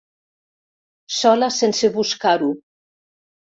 Sola sense buscar-ho.